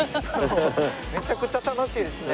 めちゃくちゃ楽しいですね。